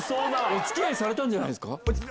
お付き合いされたんじゃないですか？